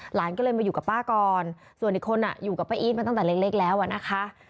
หลานก็เลยมาอยู่กับป้าก่อนส่วนอีกคนอยู่กับป้าอีทมาตั้งแต่เล็กแล้วอะนะคะ